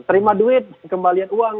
terima duit kembali uang misalnya